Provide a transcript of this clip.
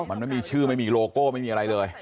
มันไม่มีชื่อไม่มีโลโก้ไม่มีอะไรเลย